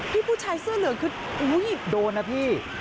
ผู้ชายเสื้อเหลืองคืออุ้ยโดนนะพี่